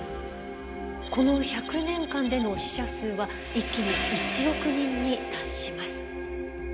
この１００年間での死者数は一気に１億人に達します。